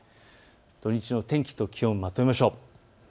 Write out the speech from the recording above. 土日の天気と気温、まとめましょう。